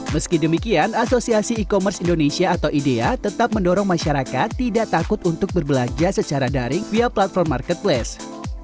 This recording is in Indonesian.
meski demikian asosiasi e commerce indonesia atau idea tetap mendorong masyarakat tidak takut untuk berbelanja secara daring via platform marketplace